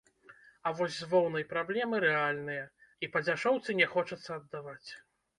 А вось з воўнай праблемы рэальныя, і па дзяшоўцы не хочацца аддаваць.